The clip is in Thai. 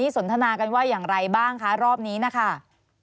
สนทนากันว่าอย่างไรบ้างคะรอบนี้นะคะ